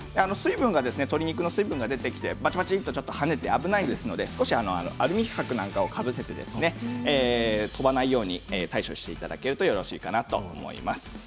鶏肉の水分が出てきてバチバチと跳ねて危ないですのでアルミはくをかぶせて飛ばないように対処していただけるとよろしいかなと思います。